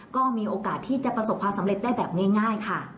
ก็มีโอกาสที่จะประสบความสำเร็จได้แบบง่ายค่ะ